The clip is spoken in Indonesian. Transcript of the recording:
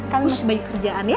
kan masih banyak kerjaan ya